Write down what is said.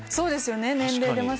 年齢出ます。